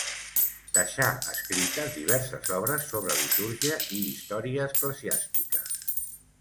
Deixà escrites diverses obres sobre litúrgia i història eclesiàstica.